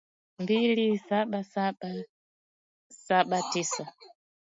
mbili saba saba saba tisa